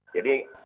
jadi ada jama'at